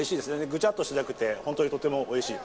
ぐちゃっとしてなくて本当にとてもおいしい。